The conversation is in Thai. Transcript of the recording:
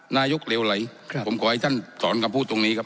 นายกเลวไหลผมขอให้ท่านสอนคำพูดตรงนี้ครับ